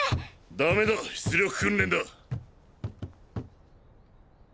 ダメだ出力訓練だ。